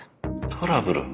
トラブル？